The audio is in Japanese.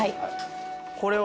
これは？